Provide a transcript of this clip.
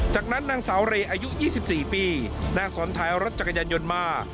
จากนั้นนางสาวเรย์อายุ๒๔ปีนั่งซ้อนท้ายรถจักรยานยนต์มา